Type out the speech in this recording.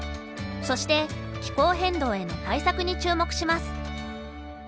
そして気候変動への対策に注目します。